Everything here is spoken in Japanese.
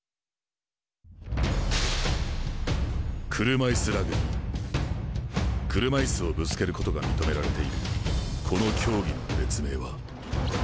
車いすラグビー車いすをぶつけることが認められているこの競技の別名は。